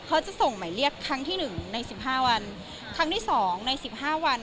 เขาจะส่งหมายเรียกครั้งที่หนึ่งในสิบห้าวันครั้งที่สองในสิบห้าวัน